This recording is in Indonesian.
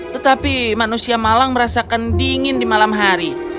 tetapi manusia malang merasakan dingin di malam hari